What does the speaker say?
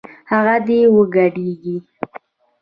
هغه دې وګډېږي